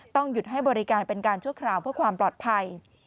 หยุดให้บริการเป็นการชั่วคราวเพื่อความปลอดภัย